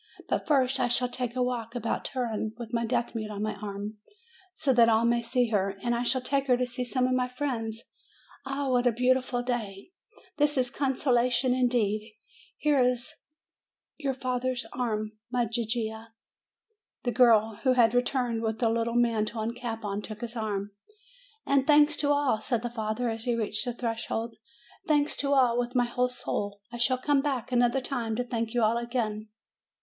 But first I shall take a walk about Turin, with my deaf mute on my arm, so that all may see her, and I shall take her to see some of my friends! Ah, what a beautiful day! This is consolation indeed! Here's your father's arm, my Gigia." The girl, who had returned with a little mantle and cap on, took his arm. "And thanks to all!" said the father, as he reached the threshold. "Thanks to all, with my whole soul! I shall come back another time to thank you all again."